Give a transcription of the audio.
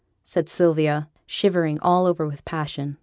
said Sylvia, shivering all over with passion.